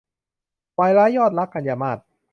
วายร้ายยอดรัก - กันยามาส